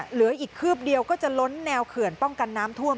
เหลืออีกคืบเดียวก็จะล้นแนวเขื่อนป้องกันน้ำท่วม